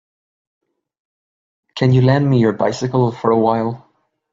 Can you lend me your bycicle for a while.